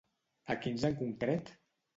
A quins en concret?